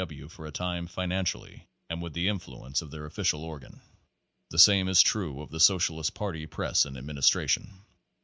W. W. for a time financially and with the influ ence of their official organ. The same is true of the So cialist Party press and administration.